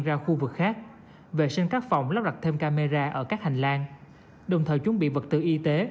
ra khu vực khác vệ sinh các phòng lắp đặt thêm camera ở các hành lang đồng thời chuẩn bị vật tư y tế